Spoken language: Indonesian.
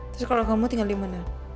terus kalau kamu tinggal di mana